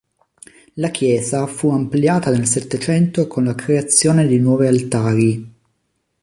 La chiesa fu ampliata nel Settecento con la creazione di nuovi altari.